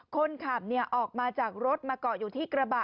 คนขับออกมาจากรถมาเกาะอยู่ที่กระบะ